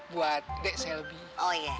lo kan berdua nggak ada kerjaan ya